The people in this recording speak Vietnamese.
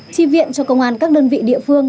tri viện cho công an các đơn vị địa phương